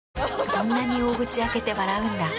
そんなに大口開けて笑うんだ。